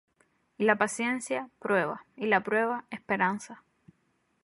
Y la paciencia, prueba; y la prueba, esperanza;